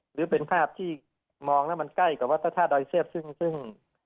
หรือเป็นภาพที่มองแล้วมันใกล้กับวัฒนาดอยเซฟซึ่ง